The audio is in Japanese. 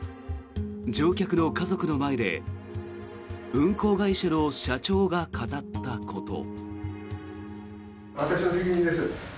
乗客の家族の前で運航会社の社長が語ったこと。